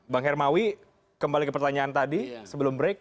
bang hermawi kembali ke pertanyaan tadi sebelum break